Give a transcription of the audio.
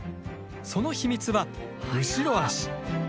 その秘密は後ろ足。